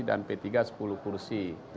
dan p tiga sepuluh kurusi